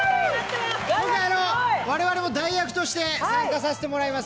我々も代役として参加させていただきます。